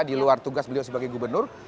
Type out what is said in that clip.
di luar tugas beliau sebagai gubernur